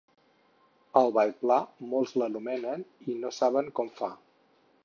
El ball pla, molts l'anomenen i no saben com fa.